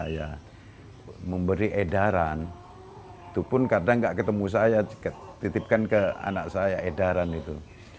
saya memberi edaran itu pun kadang nggak ketemu saya titipkan ke anak saya edaran itu